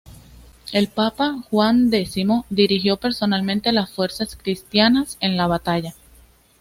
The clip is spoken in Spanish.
El Papa Juan X dirigió personalmente las fuerzas cristianas en la batalla.